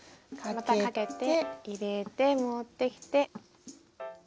またかけて入れて持ってきて。